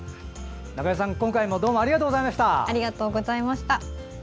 中江さん、今回もどうもありがとうございました。